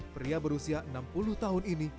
pria berusia enam puluh tahun ini